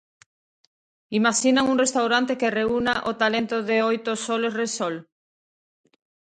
Imaxinan un restaurante que reúna o talento de oito soles Repsol?